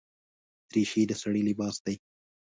دریشي د سړي لباس دی.